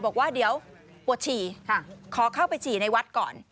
บอกว่าเดี๋ยวปวดฉี่ขอเข้าไปฉี่ในวัดก่อน